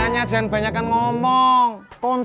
mainnya sama saya aja ya enak aja taste lagi mainkang